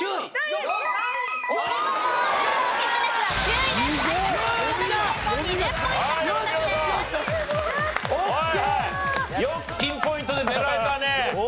よくピンポイントで狙えたね。